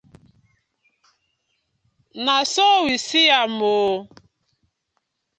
Na so we see am oo.